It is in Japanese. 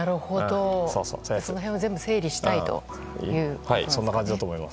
その辺を全部整理したいという。